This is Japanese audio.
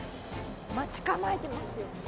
待ち構えてますよ。